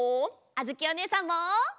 あづきおねえさんも！